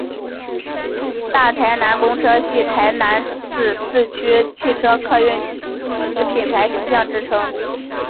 大台南公车系台南市市区汽车客运之品牌形象名称。